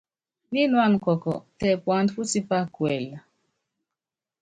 Nyinuána kɔɔkɔ, tɛ puandá patípá kuɛlɛ.